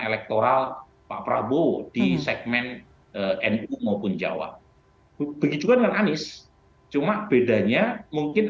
elektoral pak prabowo di segmen nu maupun jawa begitu juga dengan anies cuma bedanya mungkin